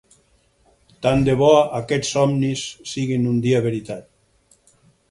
Tant de bo aquests somnis siguin un dia veritat!